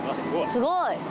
すごい。